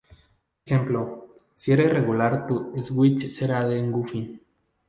Ejemplo: si eres regular tu switch será en goofy.